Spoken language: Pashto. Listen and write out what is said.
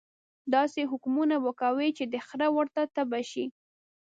داسې حکمونه به کوي چې د خره ورته تبه شي.